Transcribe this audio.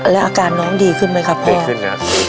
แล้วอาการน้องดีขึ้นไหมครับพ่อดีขึ้นนะดีขึ้น